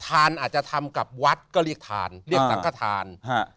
ธานอาจจะทำกับวัดก็เรียกธานอ่าเรียกสังฆฐานฮะ